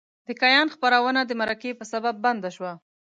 د کیان خپرونه د مرکې په سبب بنده شوه.